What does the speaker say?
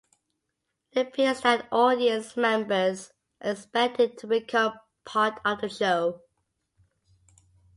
It appears that audience members are expected to become part of the show.